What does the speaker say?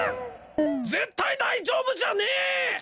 絶対大丈夫じゃねえ！